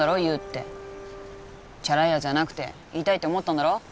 言うってチャラいやつじゃなくて言いたいって思ったんだろ